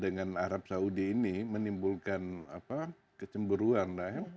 dengan arab saudi ini menimbulkan kecemburuan